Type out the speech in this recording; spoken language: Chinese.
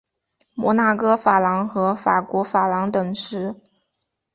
摩纳哥法郎和法国法郎等值。